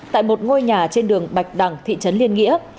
tại một ngôi nhà trên đường bạch đằng thị trấn liên nghĩa